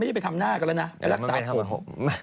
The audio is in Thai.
ไม่ได้ไปทำหน้ากันและลักษฎผม